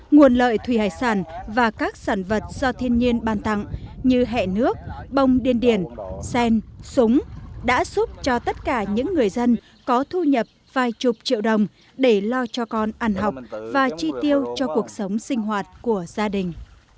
nguồn lợi thủy hải sản và các sản vật do thiên nhiên ban tặng như hẹn nước bông điên điển sen súng đã giúp cho tất cả những người dân có thu nhập vài chục triệu đồng để lo cho con ăn học và chi tiêu cho cuộc sống sinh hoạt của gia đình